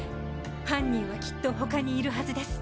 犯人はきっと他にいるはずです。